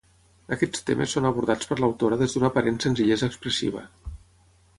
Aquests temes són abordats per l'autora des d'una aparent senzillesa expressiva.